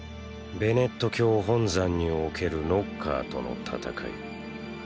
ベネット教本山におけるノッカーとの戦い。